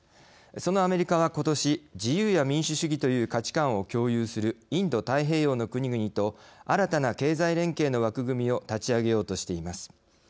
そのアメリカは、ことし自由や民主主義という価値観を共有するインド太平洋の国々と新たな経済連携の枠組みを立ち上げようとしています。